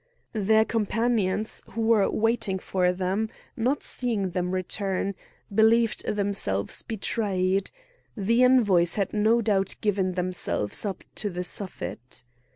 Their companions, who were waiting for them, not seeing them return, believed themselves betrayed. The envoys had no doubt given themselves up to the Suffet.